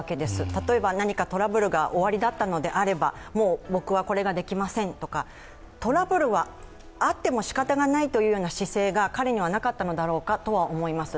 例えば何かトラブルがおありだったのであれば、もう僕はこれができませんとか、トラブルがあってもしかたがないというような姿勢が、彼にはなかったのだろうかと思います